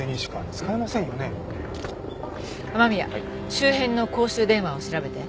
雨宮周辺の公衆電話を調べて。